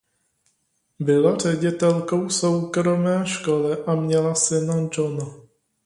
Byla ředitelkou soukromé školy a měla syna Johna.